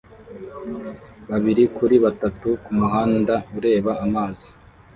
babiri kuri batatu kumuhanda ureba amazi